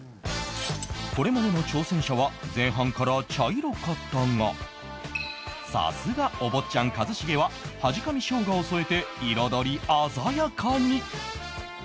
これまでの挑戦者は前半から茶色かったがさすがお坊ちゃん一茂ははじかみ生姜を添えて彩り鮮やかに